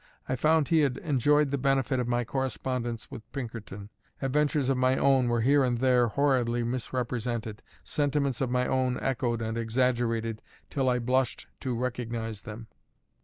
I found he had enjoyed the benefit of my correspondence with Pinkerton: adventures of my own were here and there horridly misrepresented, sentiments of my own echoed and exaggerated till I blushed to recognise them.